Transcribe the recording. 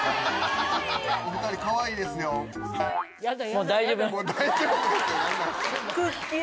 ・もう大丈夫です。